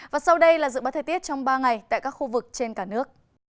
và sau đây là dự bá thời tiết trong ba ngày tại các khu vực trên cả nước